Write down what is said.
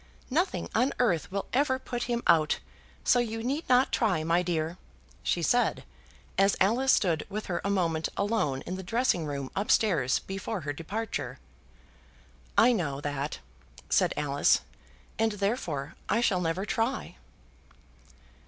"Nothing on earth will ever put him out, so you need not try, my dear," she said, as Alice stood with her a moment alone in the dressing room up stairs before her departure. "I know that," said Alice, "and therefore I shall never try."